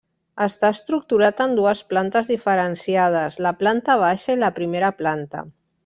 Està estructurat en dues plantes diferenciades, la planta baixa i la primera planta.